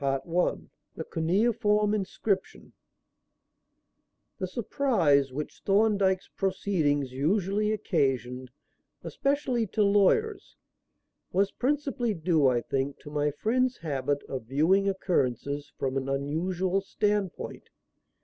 Chapter VII The Cuneiform Inscription The surprise which Thorndyke's proceedings usually occasioned, especially to lawyers, was principally due, I think, to my friend's habit of viewing occurrences from an unusual standpoint.